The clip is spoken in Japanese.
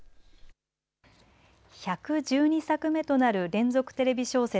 １１２作目となる連続テレビ小説